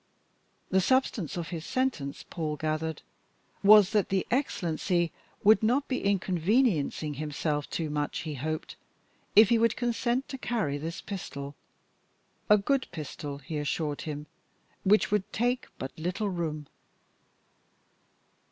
The substance of his sentence, Paul gathered, was that the Excellency would not be inconveniencing himself too much, he hoped, if he would consent to carry this pistol. A very good pistol, he assured him, which would take but little room.